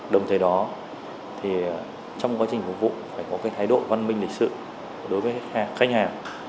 đồng thời đó thì trong quá trình phục vụ phải có cái thái độ văn minh lịch sự đối với khách hàng